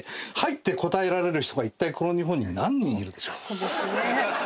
そうですね。